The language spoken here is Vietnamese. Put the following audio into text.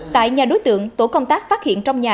tại nhà đối tượng tổ công tác phát hiện